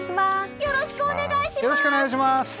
よろしくお願いします！